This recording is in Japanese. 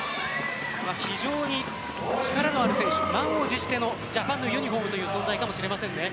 非常に力のある選手満を持してのジャパンのユニホームという存在かもしれません。